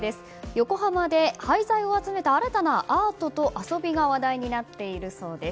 横浜で廃材を集めた新たなアートと遊びが話題になっているそうです。